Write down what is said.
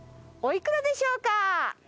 おいくらでしょうか？